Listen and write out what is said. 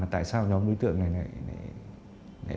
tại sao nhóm đối tượng này